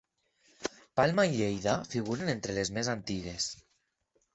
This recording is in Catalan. Palma i Lleida figuren entre les més antigues.